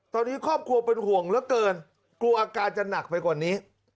ตอนนี้ครอบครัวเป็นห่วงเหลือเกินกลัวอาการจะหนักไปกว่านี้